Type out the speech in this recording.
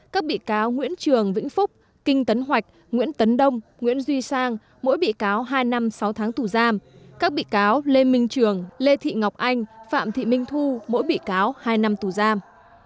các bị cáo nguyễn trường vĩnh phúc kinh tấn hoạch nguyễn tấn đông nguyễn duy sang mỗi bị cáo hai năm sáu tháng tù giam các bị cáo lê minh trường lê thị ngọc anh phạm thị minh thu mỗi bị cáo hai năm tù giam